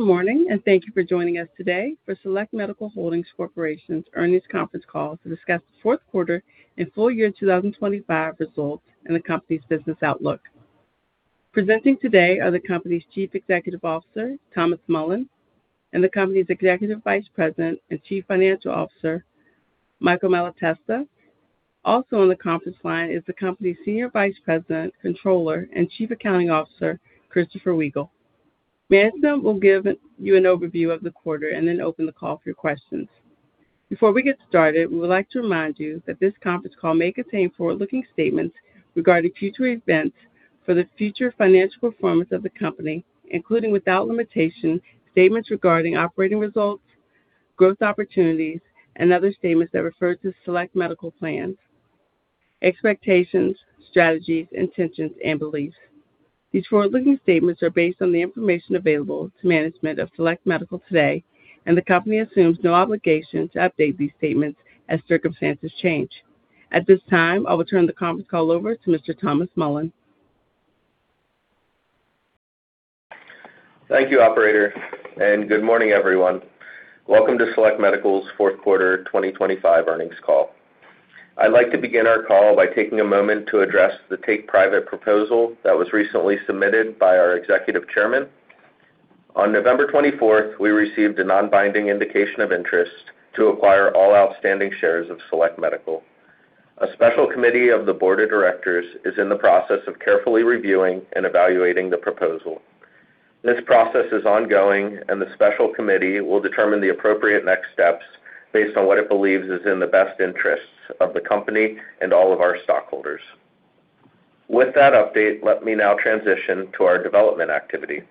Good morning, and thank you for joining us today for Select Medical Holdings Corporation's Earnings Conference Call to discuss the fourth quarter and full year 2025 results and the company's business outlook. Presenting today are the company's Chief Executive Officer, Thomas Mullin, and the company's Executive Vice President and Chief Financial Officer, Michael Malatesta. Also on the conference line is the company's Senior Vice President, Controller, and Chief Accounting Officer, Christopher Weigl. Management will give you an overview of the quarter and then open the call for your questions. Before we get started, we would like to remind you that this conference call may contain forward-looking statements regarding future events for the future financial performance of the company, including, without limitation, statements regarding operating results, growth opportunities, and other statements that refer to Select Medical plan, expectations, strategies, intentions, and beliefs. These forward-looking statements are based on the information available to management of Select Medical today, and the company assumes no obligation to update these statements as circumstances change. At this time, I will turn the conference call over to Mr. Thomas Mullin. Thank you, operator, and good morning, everyone. Welcome to Select Medical's fourth quarter 2025 earnings call. I'd like to begin our call by taking a moment to address the take-private proposal that was recently submitted by our executive chairman. On November 24th, we received a non-binding indication of interest to acquire all outstanding shares of Select Medical. A special committee of the board of directors is in the process of carefully reviewing and evaluating the proposal. This process is ongoing, and the special committee will determine the appropriate next steps based on what it believes is in the best interests of the company and all of our stockholders. With that update, let me now transition to our development activity,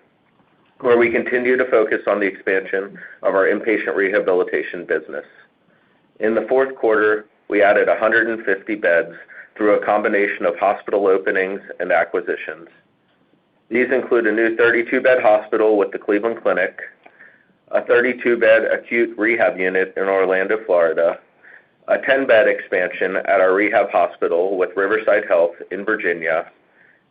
where we continue to focus on the expansion of our inpatient rehabilitation business. In the fourth quarter, we added 150 beds through a combination of hospital openings and acquisitions. These include a new 32-bed hospital with the Cleveland Clinic, a 32-bed acute rehab unit in Orlando, Florida, a 10-bed expansion at our rehab hospital with Riverside Health in Virginia,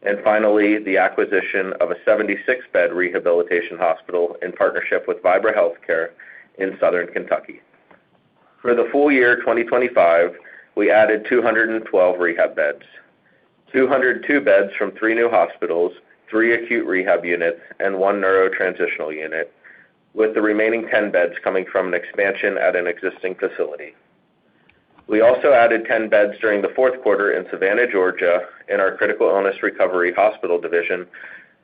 and finally, the acquisition of a 76-bed rehabilitation hospital in partnership with Vibra Healthcare in Southern Kentucky. For the full year 2025, we added 212 rehab beds, 202 beds from three new hospitals, three acute rehab units, and one neuro transitional unit, with the remaining 10 beds coming from an expansion at an existing facility. We also added 10 beds during the fourth quarter in Savannah, Georgia, in our Critical Illness Recovery Hospital division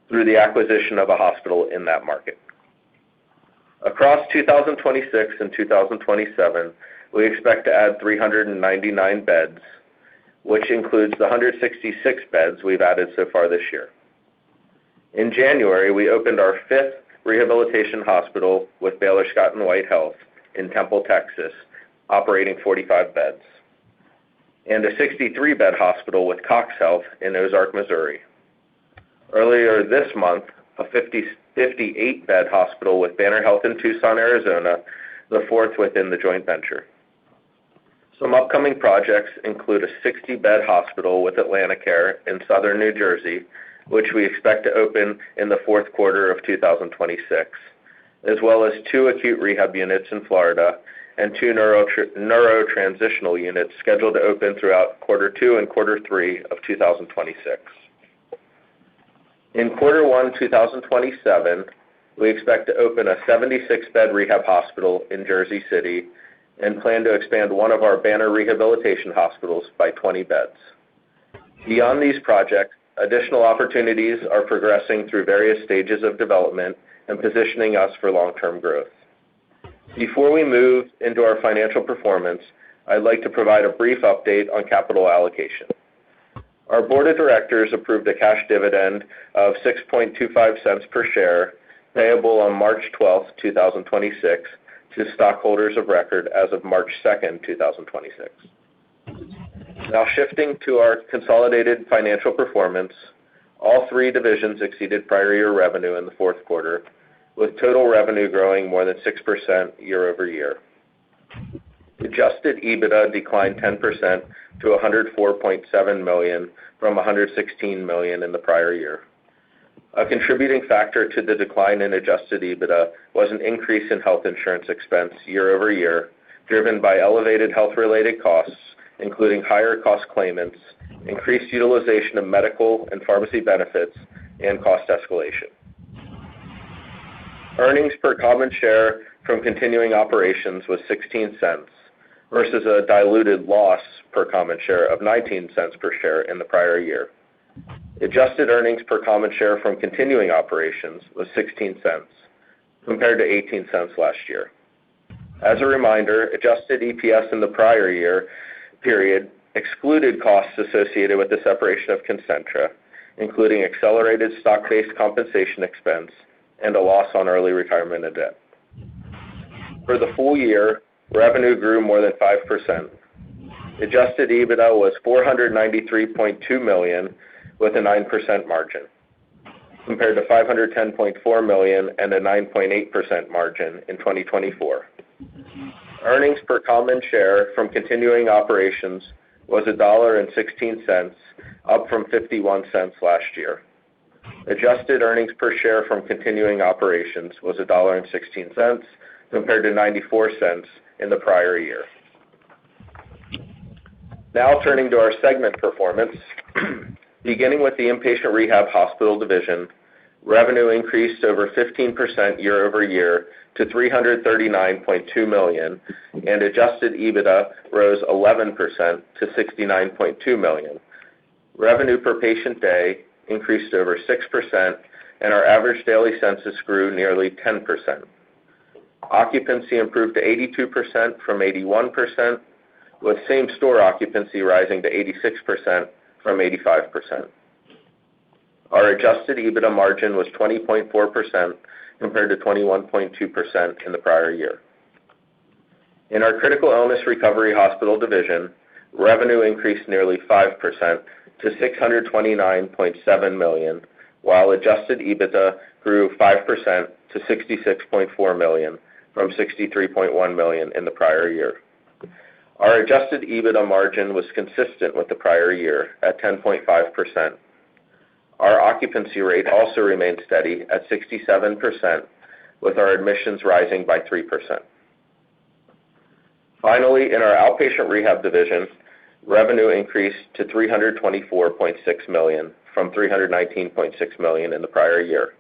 through the acquisition of a hospital in that market. Across 2026 and 2027, we expect to add 399 beds, which includes the 166 beds we've added so far this year. In January, we opened our 5th rehabilitation hospital with Baylor Scott & White Health in Temple, Texas, operating 45 beds, and a 63-bed hospital with CoxHealth in Ozark, Missouri. Earlier this month, a 58-bed hospital with Banner Health in Tucson, Arizona, the 4th within the joint venture. Some upcoming projects include a 60-bed hospital with AtlantiCare in Southern New Jersey, which we expect to open in the fourth quarter of 2026, as well as two acute rehab units in Florida and two neuro transitional units scheduled to open throughout quarter two and quarter three of 2026. In quarter one 2027, we expect to open a 76-bed rehab hospital in Jersey City and plan to expand one of our Banner rehabilitation hospitals by 20 beds. Beyond these projects, additional opportunities are progressing through various stages of development and positioning us for long-term growth. Before we move into our financial performance, I'd like to provide a brief update on capital allocation. Our board of directors approved a cash dividend of $0.0625 per share, payable on March 12, 2026, to stockholders of record as of March 2nd, 2026. Now, shifting to our consolidated financial performance, all three divisions exceeded prior year revenue in the fourth quarter, with total revenue growing more than 6% year-over-year. Adjusted EBITDA declined 10% to $104.7 million from $116 million in the prior year. A contributing factor to the decline in Adjusted EBITDA was an increase in health insurance expense year-over-year, driven by elevated health-related costs, including higher-cost claimants, increased utilization of medical and pharmacy benefits, and cost escalation. Earnings per common share from continuing operations was $0.16, versus a diluted loss per common share of $0.19 per share in the prior year. Adjusted earnings per common share from continuing operations was $0.16, compared to $0.18 last year. As a reminder, adjusted EPS in the prior year period excluded costs associated with the separation of Concentra, including accelerated stock-based compensation expense and a loss on early retirement and debt. For the full year, revenue grew more than 5%. Adjusted EBITDA was $493.2 million, with a 9% margin, compared to $510.4 million and a 9.8% margin in 2024. Earnings per common share from continuing operations was $1.16, up from $0.51 last year. Adjusted earnings per share from continuing operations was $1.16, compared to $0.94 in the prior year. Now turning to our segment performance. Beginning with the Inpatient Rehab Hospital Division, revenue increased over 15% year-over-year to $339.2 million, and Adjusted EBITDA rose 11% to $69.2 million. Revenue per patient day increased over 6%, and our average daily census grew nearly 10%. Occupancy improved to 82% from 81%, with same-store occupancy rising to 86% from 85%. Our Adjusted EBITDA margin was 20.4% compared to 21.2% in the prior year. In our Critical Illness Recovery Hospital Division, revenue increased nearly 5% to $629.7 million, while Adjusted EBITDA grew 5% to $66.4 million from $63.1 million in the prior year. Our Adjusted EBITDA margin was consistent with the prior year at 10.5%. Our occupancy rate also remained steady at 67%, with our admissions rising by 3%. Finally, in our Outpatient Rehab Division, revenue increased to $324.6 million from $319.6 million in the prior year.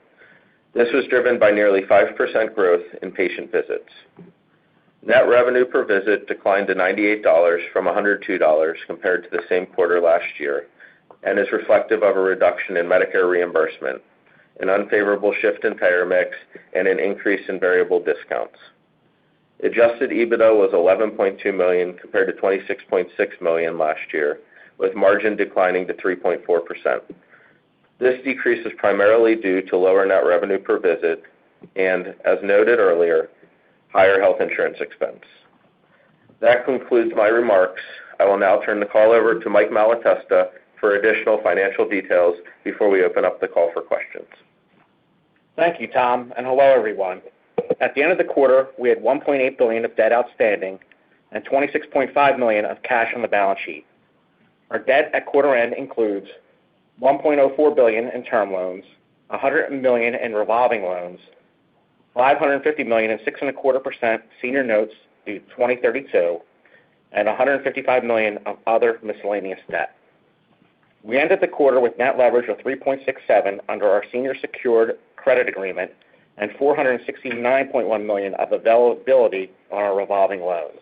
This was driven by nearly 5% growth in patient visits. Net revenue per visit declined to $98 from $102 compared to the same quarter last year, and is reflective of a reduction in Medicare reimbursement, an unfavorable shift in payer mix, and an increase in variable discounts. Adjusted EBITDA was $11.2 million compared to $26.6 million last year, with margin declining to 3.4%. This decrease is primarily due to lower net revenue per visit and, as noted earlier, higher health insurance expense. That concludes my remarks. I will now turn the call over to Mike Malatesta for additional financial details before we open up the call for questions. Thank you, Tom, and hello, everyone. At the end of the quarter, we had $1.8 billion of debt outstanding and $26.5 million of cash on the balance sheet. Our debt at quarter end includes $1.4 billion in term loans, $100 million in revolving loans, $550 million in 6.25% senior notes due 2032, and $155 million of other miscellaneous debt. We ended the quarter with net leverage of 3.67 under our senior secured credit agreement and $469.1 million of availability on our revolving loans.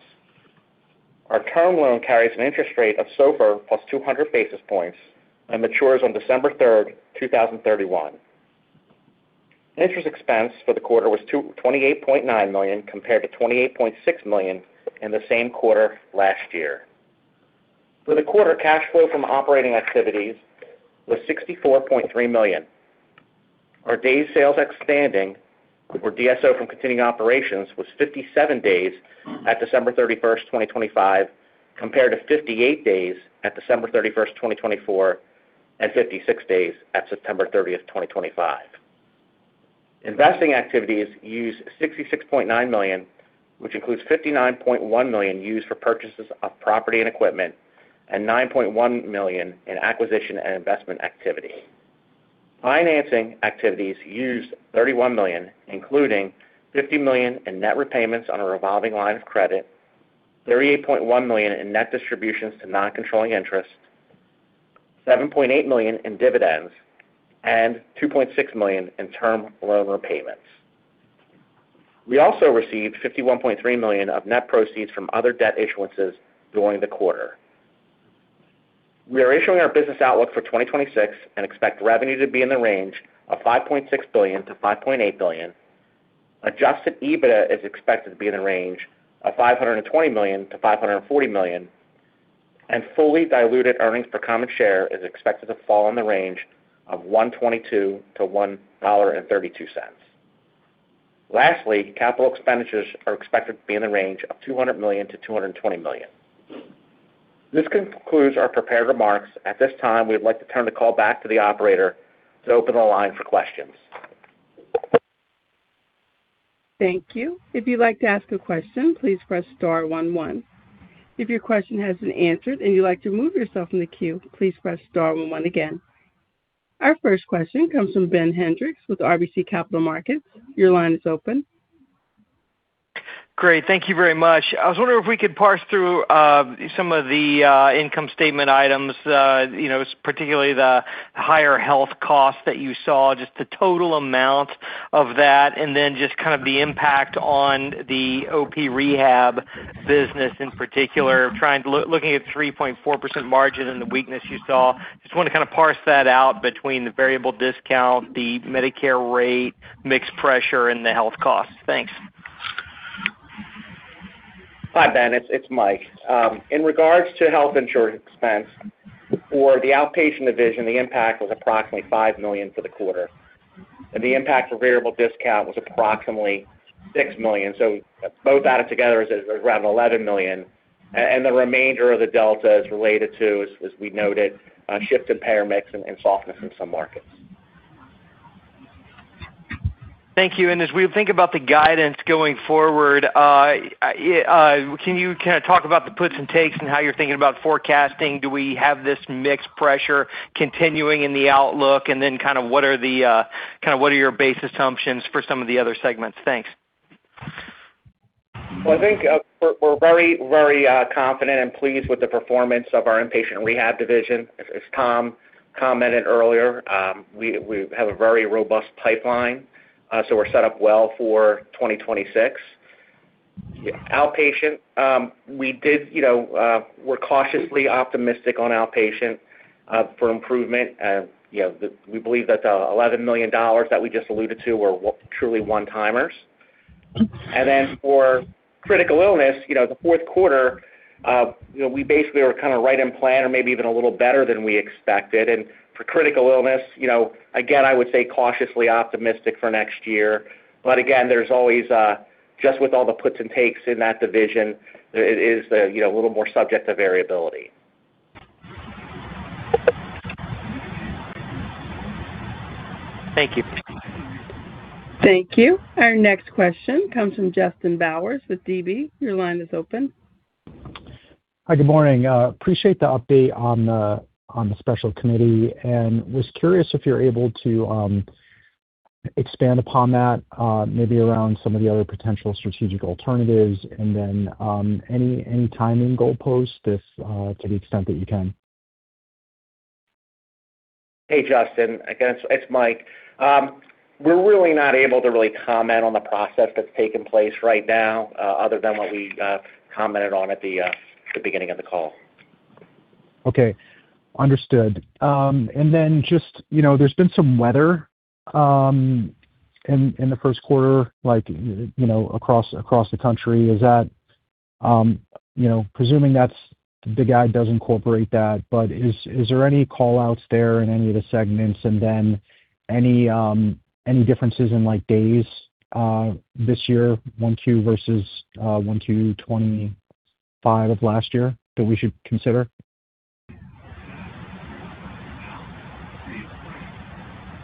Our term loan carries an interest rate of SOFR plus 200 basis points and matures on December 3rd, 2031. Interest expense for the quarter was $28.9 million, compared to $28.6 million in the same quarter last year. For the quarter, cash flow from operating activities was $64.3 million. Our days sales outstanding, or DSO, from continuing operations was 57 days at December 31st, 2025, compared to 58 days at December 31st, 2024, and 56 days at September 30th, 2025. Investing activities used $66.9 million, which includes $59.1 million used for purchases of property and equipment and $9.1 million in acquisition and investment activity. Financing activities used $31 million, including $50 million in net repayments on a revolving line of credit, $38.1 million in net distributions to non-controlling interests, $7.8 million in dividends, and $2.6 million in term loan repayments. We also received $51.3 million of net proceeds from other debt issuances during the quarter. We are issuing our business outlook for 2026 and expect revenue to be in the range of $5.6 billion-$5.8 billion. Adjusted EBITDA is expected to be in the range of $520 million-$540 million, and fully diluted earnings per common share is expected to fall in the range of $1.22-$1.32. Lastly, capital expenditures are expected to be in the range of $200 million-$220 million. This concludes our prepared remarks. At this time, we'd like to turn the call back to the operator to open the line for questions. Thank you. If you'd like to ask a question, please press star one one. If your question has been answered and you'd like to move yourself in the queue, please press star one one again. Our first question comes from Ben Hendrix with RBC Capital Markets. Your line is open. Great. Thank you very much. I was wondering if we could parse through some of the income statement items, you know, particularly the higher health costs that you saw, just the total amount of that, and then just kind of the impact on the OP rehab business in particular, looking at 3.4% margin and the weakness you saw. Just want to kind of parse that out between the variable discount, the Medicare rate, mixed pressure, and the health costs. Thanks. Hi, Ben, it's Mike. In regards to health insurance expense, for the outpatient division, the impact was approximately $5 million for the quarter, and the impact for variable discount was approximately $6 million. So both added together is around $11 million, and the remainder of the delta is related to, as we noted, shift in payer mix and softness in some markets. Thank you. And as we think about the guidance going forward, can you kind of talk about the puts and takes and how you're thinking about forecasting? Do we have this mixed pressure continuing in the outlook? And then kind of what are your base assumptions for some of the other segments? Thanks. Well, I think, we're very confident and pleased with the performance of our inpatient rehab division. As Tom commented earlier, we have a very robust pipeline, so we're set up well for 2026. Outpatient, we did, you know, we're cautiously optimistic on outpatient for improvement. You know, we believe that the $11 million that we just alluded to were truly one-timers. And then for critical illness, you know, the fourth quarter, you know, we basically were kind of right in plan or maybe even a little better than we expected. And for critical illness, you know, again, I would say cautiously optimistic for next year. But again, there's always just with all the puts and takes in that division, it is, you know, a little more subject to variability. Thank you. Thank you. Our next question comes from Justin Bowers with DB. Your line is open. Hi, good morning. Appreciate the update on the special committee, and was curious if you're able to expand upon that, maybe around some of the other potential strategic alternatives, and then any timing goalposts to the extent that you can. Hey, Justin, again, it's Mike. We're really not able to really comment on the process that's taking place right now, other than what we commented on at the beginning of the call. Okay, understood. And then just, you know, there's been some weather in the first quarter, like, you know, across the country. Is that, you know, presuming that's the guide does incorporate that, but is there any call outs there in any of the segments? And then any differences in, like, days this year, 1Q versus 1Q 2025 of last year that we should consider?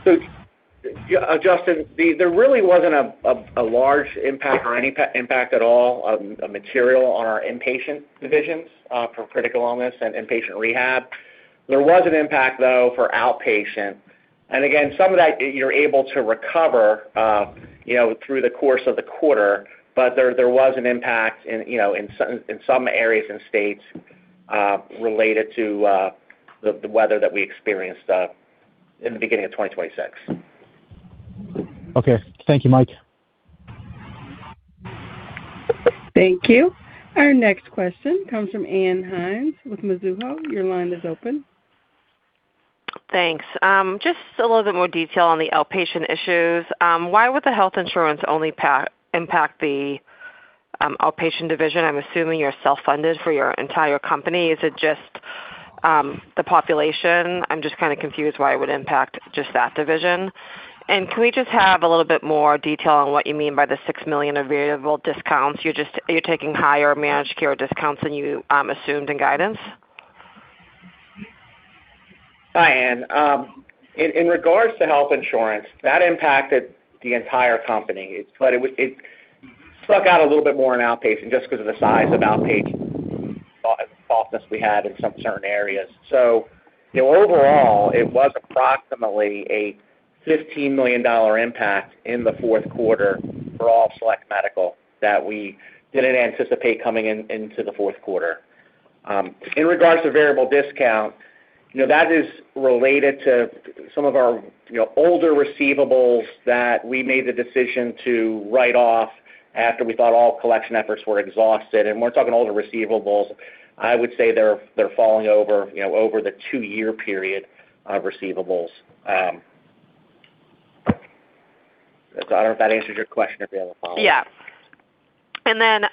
So, yeah, Justin, there really wasn't a large impact or any impact at all, material on our inpatient divisions, for critical illness and inpatient rehab. There was an impact, though, for outpatient, and again, some of that you're able to recover, you know, through the course of the quarter, but there was an impact in, you know, in some areas and states, related to the weather that we experienced in the beginning of 2026. Okay. Thank you, Mike. Thank you. Our next question comes from Ann Hynes with Mizuho. Your line is open. Thanks. Just a little bit more detail on the outpatient issues. Why would the health insurance only impact the outpatient division? I'm assuming you're self-funded for your entire company. Is it just the population? I'm just kind of confused why it would impact just that division. And can we just have a little bit more detail on what you mean by the $6 million of variable discounts? You're just taking higher managed care discounts than you assumed in guidance? Hi, Ann. In regards to health insurance, that impacted the entire company, but it was, it stuck out a little bit more in outpatient just because of the size of outpatient softness we had in some certain areas. So overall, it was approximately a $15 million impact in the fourth quarter for all Select Medical that we didn't anticipate coming into the fourth quarter. In regards to variable discount, you know, that is related to some of our, you know, older receivables that we made the decision to write off after we thought all collection efforts were exhausted. And we're talking older receivables, I would say they're falling over, you know, over the two-year period of receivables. So I don't know if that answers your question, or if you have a follow-up. Yeah. And then,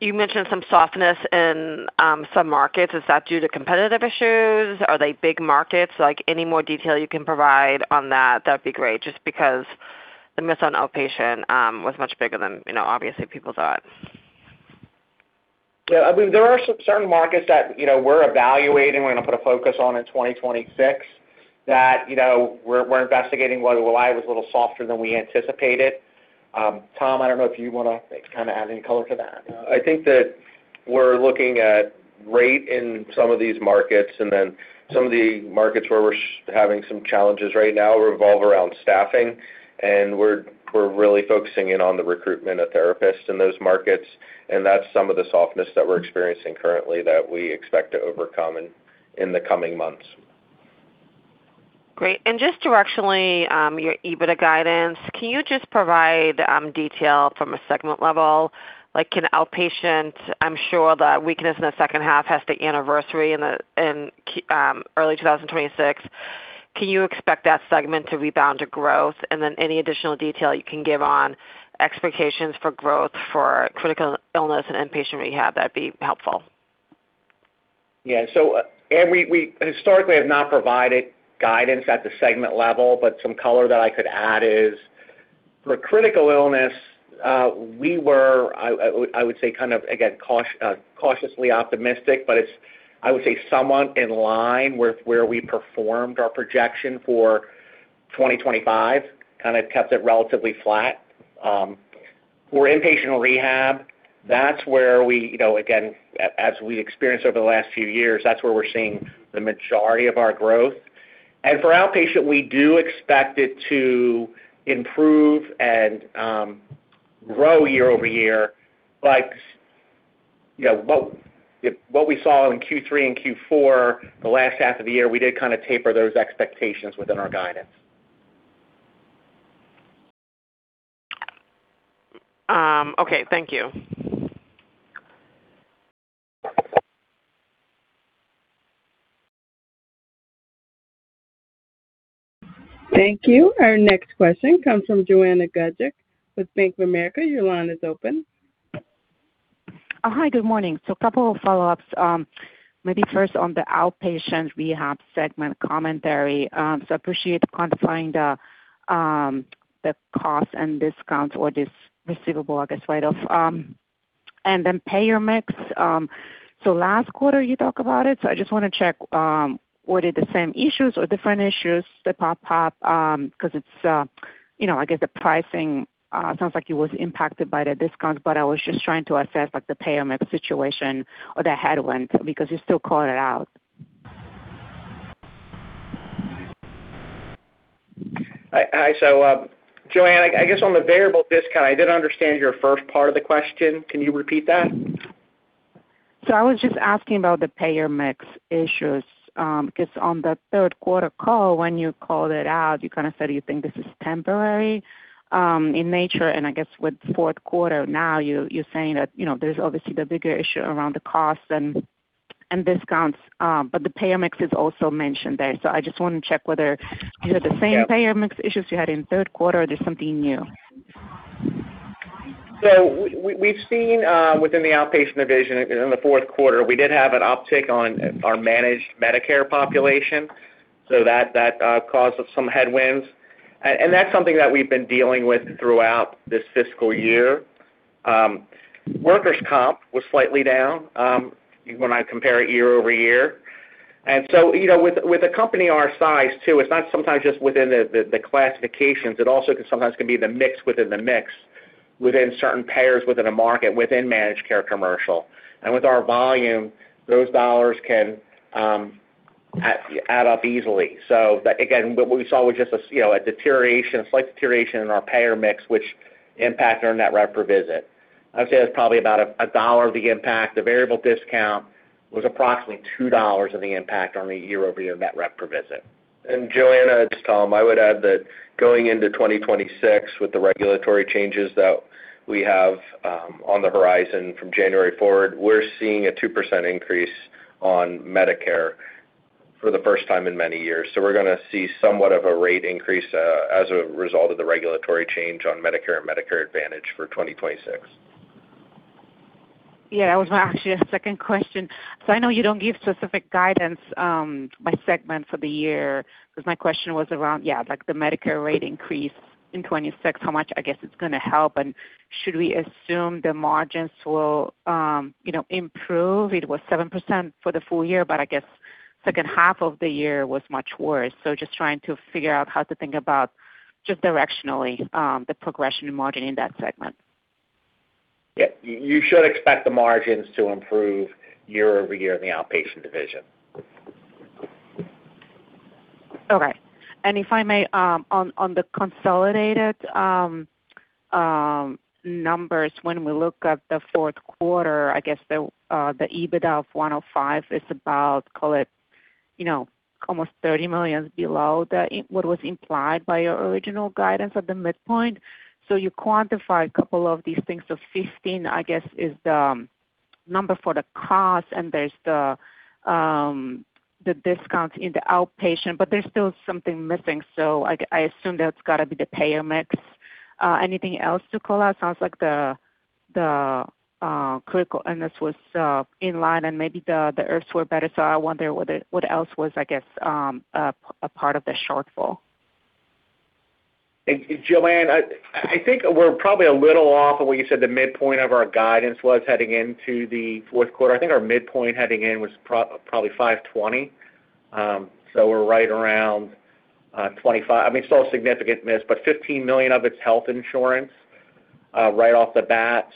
you mentioned some softness in some markets. Is that due to competitive issues? Are they big markets? Like, any more detail you can provide on that, that'd be great, just because the miss on outpatient was much bigger than, you know, obviously, people thought. Yeah, I mean, there are certain markets that, you know, we're evaluating, we're going to put a focus on in 2026, that, you know, we're, we're investigating why, why it was a little softer than we anticipated. Tom, I don't know if you want to kind of add any color to that. I think that we're looking at rate in some of these markets, and then some of the markets where we're having some challenges right now revolve around staffing, and we're really focusing in on the recruitment of therapists in those markets, and that's some of the softness that we're experiencing currently that we expect to overcome in the coming months. Great. And just directionally, your EBITDA guidance, can you just provide, detail from a segment level? Like, in outpatient, I'm sure the weakness in the second half has to anniversary in the, in, early 2026. Can you expect that segment to rebound to growth? And then any additional detail you can give on expectations for growth for critical illness and inpatient rehab, that'd be helpful. Yeah, so and we historically have not provided guidance at the segment level, but some color that I could add is, for critical illness, we were, I would say kind of, again, cautiously optimistic, but it's, I would say, somewhat in line with where we performed our projection for 2025, kind of kept it relatively flat. For inpatient rehab, that's where we, you know, again, as we experienced over the last few years, that's where we're seeing the majority of our growth. And for outpatient, we do expect it to improve and grow year-over-year. But, you know, what we saw in Q3 and Q4, the last half of the year, we did kind of taper those expectations within our guidance. Okay, thank you. Thank you. Our next question comes from Joanna Gajuk with Bank of America. Your line is open. Hi, good morning. So a couple of follow-ups. Maybe first on the outpatient rehab segment commentary. So appreciate quantifying the, the costs and discounts or this receivable, I guess, write-off. And then payer mix. So last quarter you talked about it, so I just want to check, were it the same issues or different issues that pop up? Because it's, you know, I guess the pricing sounds like it was impacted by the discount, but I was just trying to assess, like, the payer mix situation or the headwinds, because you still call it out. Hi, so, Joanna, I guess on the variable discount, I didn't understand your first part of the question. Can you repeat that? So I was just asking about the payer mix issues, because on the third quarter call, when you called it out, you kind of said you think this is temporary in nature, and I guess with fourth quarter, now you're saying that, you know, there's obviously the bigger issue around the costs and discounts, but the payer mix is also mentioned there. So I just want to check whether you had the same payer mix issues you had in the third quarter or there's something new. So we've seen within the outpatient division in the fourth quarter, we did have an uptick on our managed Medicare population, so that caused us some headwinds. And that's something that we've been dealing with throughout this fiscal year. Workers' comp was slightly down when I compare it year-over-year. And so, you know, with a company our size, too, it's not sometimes just within the classifications, it also can sometimes be the mix within the mix, within certain payers, within a market, within managed care commercial. And with our volume, those dollars can add up easily. So again, what we saw was just a, you know, a deterioration, a slight deterioration in our payer mix, which impacted our net revenue per visit. I'd say it's probably about $1 of the impact. The variable discount was approximately $2 of the impact on the year-over-year net rev per visit. Joanna, it's Tom, I would add that going into 2026, with the regulatory changes that we have, on the horizon from January forward, we're seeing a 2% increase on Medicare for the first time in many years. So we're going to see somewhat of a rate increase, as a result of the regulatory change on Medicare and Medicare Advantage for 2026. Yeah, that was my-- actually, a second question. So I know you don't give specific guidance, by segment for the year, because my question was around, yeah, like the Medicare rate increase in 2026, how much I guess it's going to help? And should we assume the margins will, you know, improve? It was 7% for the full year, but I guess second half of the year was much worse. So just trying to figure out how to think about, just directionally, the progression in margin in that segment. Yeah, you should expect the margins to improve year-over-year in the outpatient division. Okay. And if I may, on the consolidated numbers, when we look at the fourth quarter, I guess the EBITDA of $105 million is about, call it, you know, almost $30 million below the what was implied by your original guidance at the midpoint. So you quantify a couple of these things. So 15, I guess, is the number for the cost, and there's the discounts in the outpatient, but there's still something missing. So I assume that's got to be the payer mix. Anything else to call out? Sounds like the critical, and this was in line and maybe the IRFs were better, so I wonder what the what else was, I guess, a part of the shortfall. Joanna, I think we're probably a little off of what you said the midpoint of our guidance was heading into the fourth quarter. I think our midpoint heading in was probably $520. So we're right around $25. I mean, still a significant miss, but $15 million of it's health insurance, right off the bat.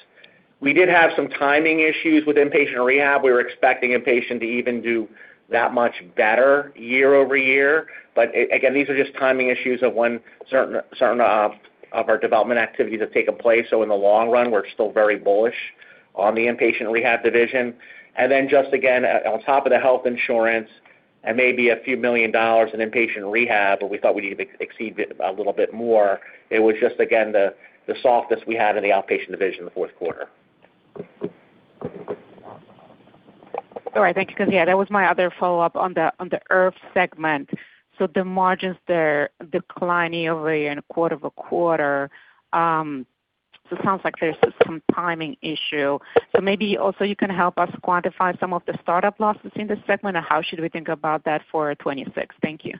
We did have some timing issues with inpatient rehab. We were expecting inpatient to even do that much better year-over-year. But again, these are just timing issues of when certain of our development activities have taken place. So in the long run, we're still very bullish on the inpatient rehab division. And then just again, on top of the health insurance and maybe a few million dollars in inpatient rehab, but we thought we need to exceed it a little bit more. It was just, again, the softness we had in the outpatient division in the fourth quarter. All right. Thank you. Because, yeah, that was my other follow-up on the, on the IRF segment. So the margins there declining year-over-year and quarter-over-quarter. So it sounds like there's some timing issue. So maybe also you can help us quantify some of the startup losses in this segment, and how should we think about that for 2026? Thank you.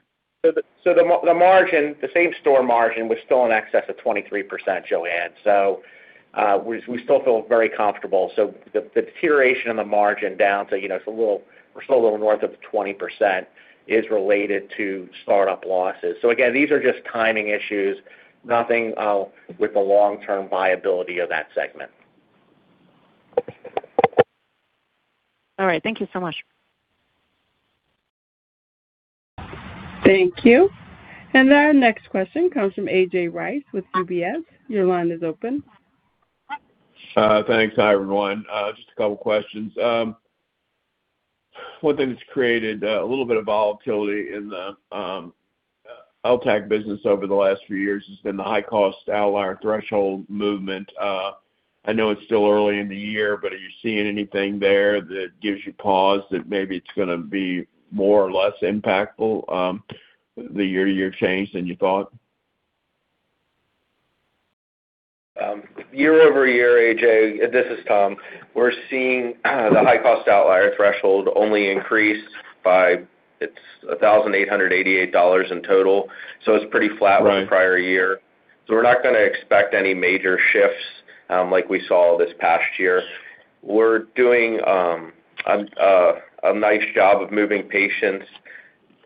So the margin, the same-store margin was still in excess of 23%, Joanna. So, we still feel very comfortable. So the deterioration in the margin down to, you know, it's a little, we're still a little north of 20%, is related to startup losses. So again, these are just timing issues, nothing with the long-term viability of that segment. All right. Thank you so much. Thank you. Our next question comes from A.J. Rice with UBS. Your line is open. Thanks. Hi, everyone. Just a couple questions. One thing that's created a little bit of volatility in the LTACH business over the last few years has been the high-cost outlier threshold movement. I know it's still early in the year, but are you seeing anything there that gives you pause that maybe it's gonna be more or less impactful, the year-to-year change than you thought? Year-over-year, A.J., this is Tom, we're seeing the high-cost outlier threshold only increase by, it's $1,888 in total, so it's pretty flat with the prior year. Right. So we're not gonna expect any major shifts, like we saw this past year. We're doing a nice job of moving patients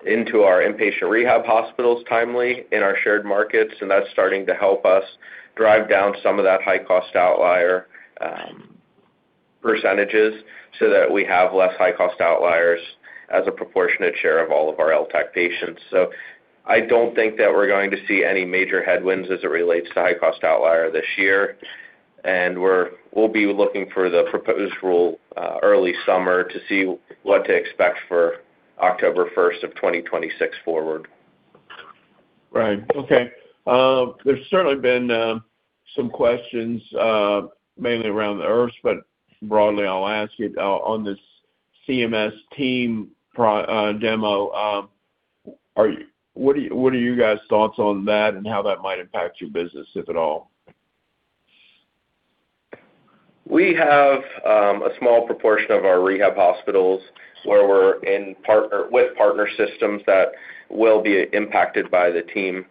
into our inpatient rehab hospitals timely in our shared markets, and that's starting to help us drive down some of that high-cost outlier percentages so that we have less high-cost outliers as a proportionate share of all of our LTACH patients. So I don't think that we're going to see any major headwinds as it relates to high-cost outlier this year. And we'll be looking for the proposed rule, early summer to see what to expect for October 1st, 2026 forward. Right. Okay. There's certainly been some questions, mainly around the IRFs, but broadly, I'll ask it on this CMS TEAM demo. What are, what are you guys' thoughts on that and how that might impact your business, if at all? We have a small proportion of our rehab hospitals where we're in partnership with partner systems that will be impacted by the TEAM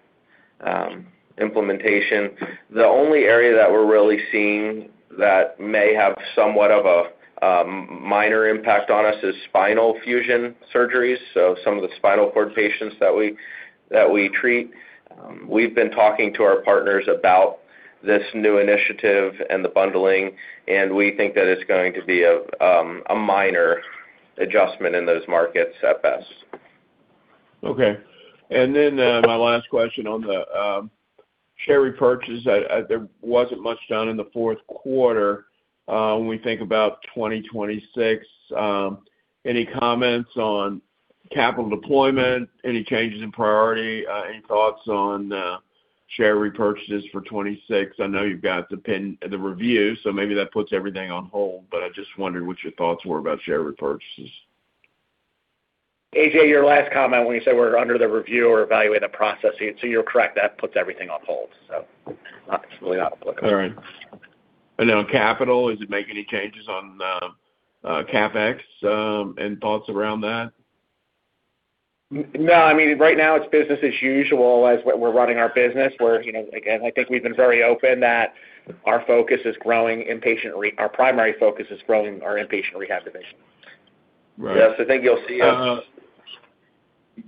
implementation. The only area that we're really seeing that may have somewhat of a minor impact on us is spinal fusion surgeries, so some of the spinal cord patients that we treat. We've been talking to our partners about this new initiative and the bundling, and we think that it's going to be a minor adjustment in those markets at best. Okay. And then, my last question on the, share repurchase. There wasn't much done in the fourth quarter, when we think about 2026. Any comments on capital deployment? Any changes in priority? Any thoughts on, share repurchases for 2026? I know you've got the pending the review, so maybe that puts everything on hold, but I just wondered what your thoughts were about share repurchases. A.J., your last comment, when you said we're under the review or evaluating the process, so you're correct, that puts everything on hold. So it's really not applicable. All right. And then on capital, did you make any changes on CapEx and thoughts around that? No, I mean, right now it's business as usual as we're running our business. We're, you know, again, I think we've been very open that our focus is growing inpatient rehab. Our primary focus is growing our inpatient rehab division. Right. Yes, I think you'll see,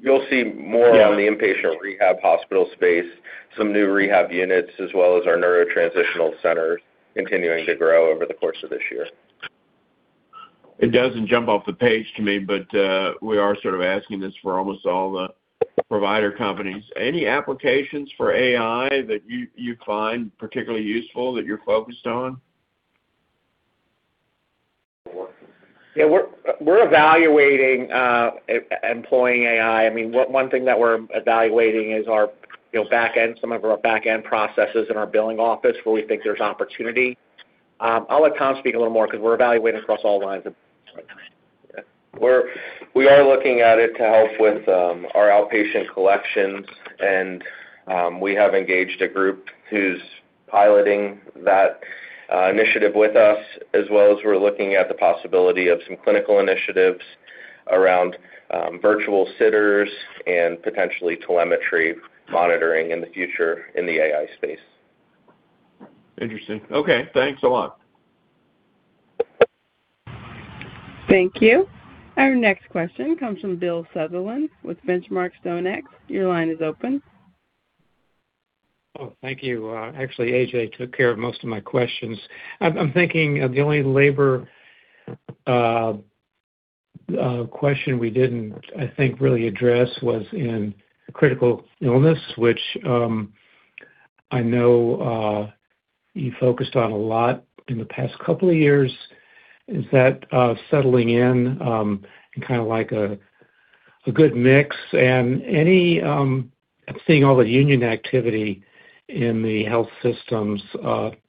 you'll see more on the inpatient rehab hospital space, some new rehab units, as well as our neuro transitional center continuing to grow over the course of this year. It doesn't jump off the page to me, but we are sort of asking this for almost all the provider companies. Any applications for AI that you find particularly useful that you're focused on? Yeah, we're evaluating employing AI. I mean, one thing that we're evaluating is our, you know, back-end, some of our back-end processes in our billing office, where we think there's opportunity. I'll let Tom speak a little more because we're evaluating across all lines of... We are looking at it to help with our outpatient collections, and we have engaged a group who's piloting that initiative with us, as well as we're looking at the possibility of some clinical initiatives around virtual sitters and potentially telemetry monitoring in the future in the AI space. Interesting. Okay, thanks a lot. Thank you. Our next question comes from Bill Sutherland with Benchmark StoneX. Your line is open. Oh, thank you. Actually, A.J. took care of most of my questions. I'm thinking of the only labor question we didn't, I think, really address was in critical illness, which, I know, you focused on a lot in the past couple of years. Is that settling in, and kinda like a good mix? And any seeing all the union activity in the health systems,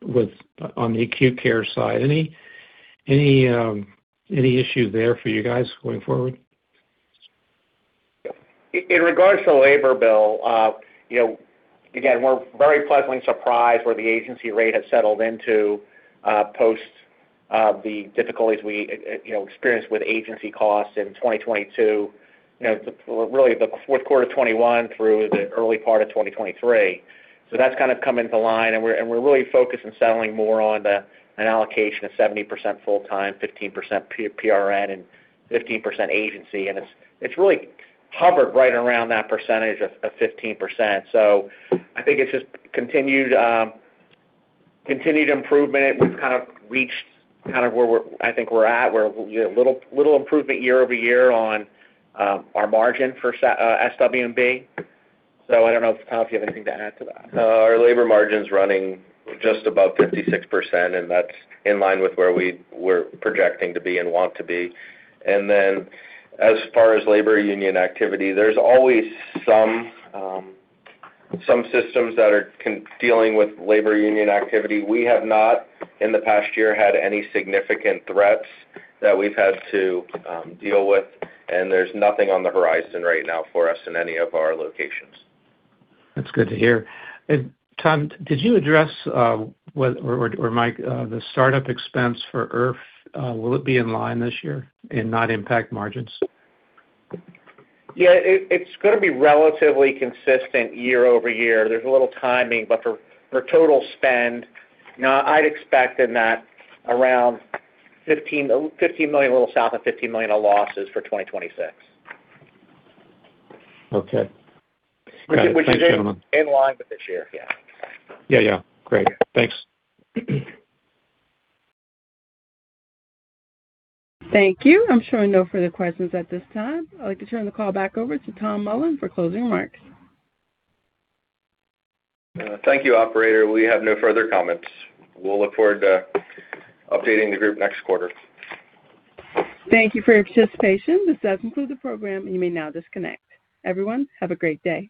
with, on the acute care side, any issue there for you guys going forward? In regards to labor, Bill, you know, again, we're very pleasantly surprised where the agency rate has settled into post the difficulties we, you know, experienced with agency costs in 2022, you know, really the fourth quarter of 2021 through the early part of 2023. So that's kind of come into line, and we're, and we're really focused on settling more on the, an allocation of 70% full-time, 15% PRN, and 15% agency. And it's, it's really hovered right around that percentage of, of 15%. So I think it's just continued, continued improvement. We've kind of reached kind of where we're-- I think we're at, where a little, little improvement year-over-year on, our margin for SWMB. So I don't know, Tom, if you have anything to add to that. Our labor margin's running just above 56%, and that's in line with where we were projecting to be and want to be. And then as far as labor union activity, there's always some systems that are dealing with labor union activity. We have not, in the past year, had any significant threats that we've had to deal with, and there's nothing on the horizon right now for us in any of our locations. That's good to hear. Tom, did you address or Mike the startup expense for IRF? Will it be in line this year and not impact margins? Yeah, it's gonna be relatively consistent year over year. There's a little timing, but for total spend, I'd expect in that around $15 million, a little south of $15 million of losses for 2026. Okay. Thanks, gentlemen. In line with this year. Yeah. Yeah, yeah. Great. Thanks. Thank you. I'm showing no further questions at this time. I'd like to turn the call back over to Tom Mullin for closing remarks. Thank you, operator. We have no further comments. We'll look forward to updating the group next quarter. Thank you for your participation. This does conclude the program, and you may now disconnect. Everyone, have a great day.